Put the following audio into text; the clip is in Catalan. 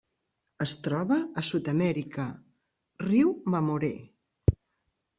Es troba a Sud-amèrica: riu Mamoré.